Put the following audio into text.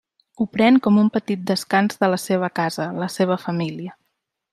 Ho pren com un petit descans de la seva casa, la seva família.